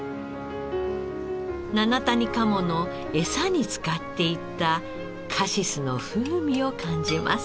七谷鴨のエサに使っていたカシスの風味を感じます。